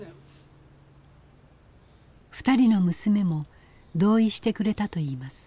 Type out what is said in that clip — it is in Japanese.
２人の娘も同意してくれたといいます。